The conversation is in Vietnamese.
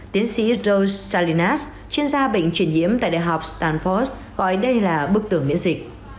tiến sĩ john salinas chuyên gia bệnh truyền nhiễm tại đại học stanford gọi đây là bức tưởng miễn dịch